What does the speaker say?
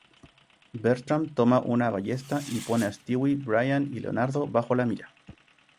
Bertram toma una ballesta y pone a Stewie, Brian y Leonardo bajo la mira.